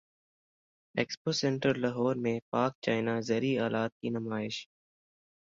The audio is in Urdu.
ایکسپو سینٹر لاہور میں پاک چائنہ زرعی الات کی نمائش